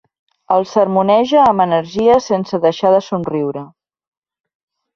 El sermoneja amb energia sense deixar de somriure.